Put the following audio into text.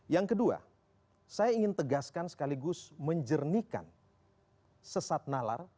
yang kedua saya ingin tegaskan sekaligus menjernihkan sesat nalar